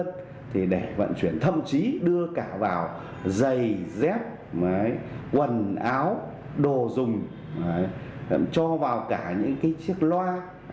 thì để vận chuyển thậm chí đưa cả vào giày dép quần áo đồ dùng cho vào cả những cái chiếc loa